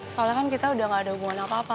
soalnya kan kita udah gak ada hubungan apa apa